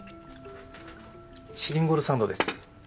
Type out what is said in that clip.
シリンゴルサンドです。